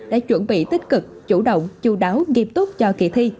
đã chuẩn bị tích cực chủ động chú đáo nghiêm túc cho kỳ thi